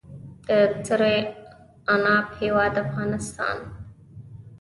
د سرې عناب هیواد افغانستان.